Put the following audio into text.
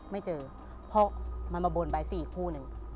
ไม่เจอเพราะมันมาบนใบสี่คู่หนึ่ง